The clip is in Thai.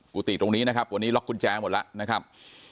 กุฏิตรงนี้นะครับวันนี้ล็อกกุญแจหมดแล้วนะครับ